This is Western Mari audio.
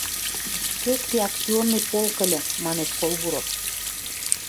— Сек реакционный полк ыльы, — манеш Колбуров.